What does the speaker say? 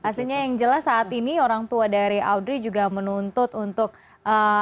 pastinya yang jelas saat ini orang tua dari audrey juga menuntut untuk ee